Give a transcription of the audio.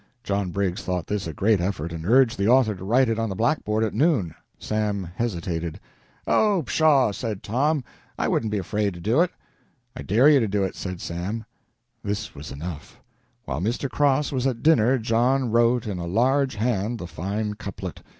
John Briggs thought this a great effort, and urged the author to write it on the blackboard at noon. Sam hesitated. "Oh, pshaw!" said John, "I wouldn't be afraid to do it." "I dare you to do it," said Sam. This was enough. While Mr. Cross was at dinner John wrote in a large hand the fine couplet.